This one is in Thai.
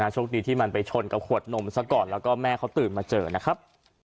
โชคดีที่มันไปชนกับขวดนมซะก่อนแล้วก็แม่เขาตื่นมาเจอนะครับ